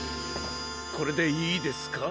これでいいですか？